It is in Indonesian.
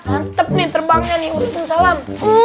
mantap nih terbangnya nih waalaikumsalam